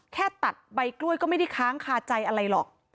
แค่ตัดใบกล้วยก็ไม่ได้ค้างคาใจอะไรหรอก